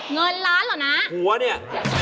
เงินล้านเหรอนะผัวเนี่ย